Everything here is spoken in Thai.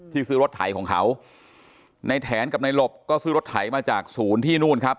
ซื้อรถไถของเขาในแถนกับในหลบก็ซื้อรถไถมาจากศูนย์ที่นู่นครับ